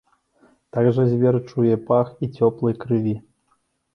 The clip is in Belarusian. Так жа звер чуе пах і цёплай крыві.